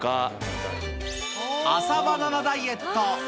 朝バナナダイエット。